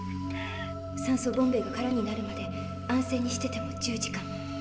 酸素ボンベが空になるまで安静にしてても１０時間。